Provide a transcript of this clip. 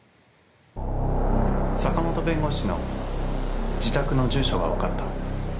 坂本弁護士の自宅の住所が分かった。